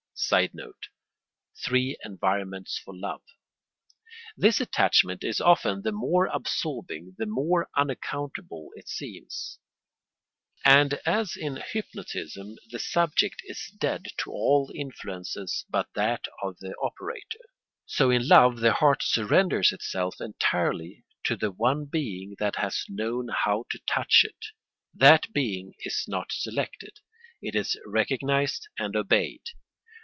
[Sidenote: Three environments for love.] This attachment is often the more absorbing the more unaccountable it seems; and as in hypnotism the subject is dead to all influences but that of the operator, so in love the heart surrenders itself entirely to the one being that has known how to touch it. That being is not selected; it is recognised and obeyed.